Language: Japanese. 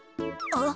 あっ。